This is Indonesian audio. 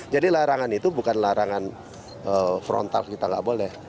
jadi larangan itu bukan larangan frontal kita gak boleh